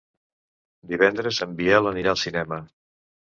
Divendres en Biel anirà al cinema.